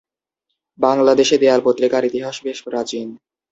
বাংলাদেশে দেয়াল পত্রিকার ইতিহাস বেশ প্রাচীন।